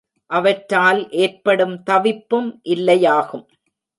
அவற்றால் ஏற்படும் தவிப்பும் இல்லையாகும்.